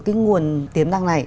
cái nguồn tiềm năng này